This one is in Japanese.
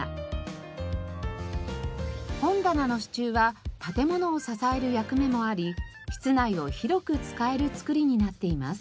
本棚の支柱は建物を支える役目もあり室内を広く使える作りになっています。